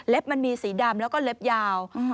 มันมีสีดำแล้วก็เล็บยาว